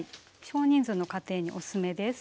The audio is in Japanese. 少人数の家庭におすすめです。